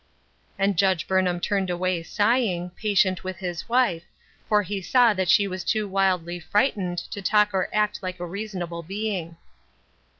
And Judge Burnham turned away sighing, patient with his wife, for he saw that she was too wildly frightened to talk or act like a reasonable being.